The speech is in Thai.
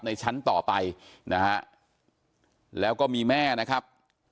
ชั้นต่อไปนะฮะแล้วก็มีแม่นะครับ